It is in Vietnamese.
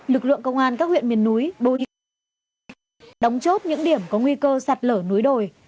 lịch lượng công an các huyện miền núi đồng chốt những điểm có nguy cơ sạt lở núi đồi